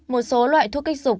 một số loại thuốc kích dục